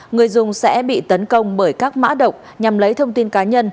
người dùng sẽ bị tấn công bởi các mã độc nhằm lấy thông tin cá nhân